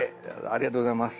ありがとうございます。